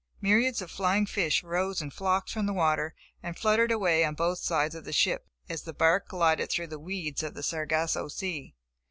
Myriads of flying fish rose in flocks from the water and fluttered away on both sides of the ship as the bark glided through the weeds of the Sargasso Sea.